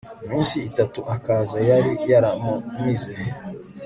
iminsi itatu akaza yari yaramumize